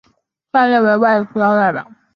下列为埃及派驻英国的外交代表。